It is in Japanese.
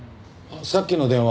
さっきの電話